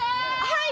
はい。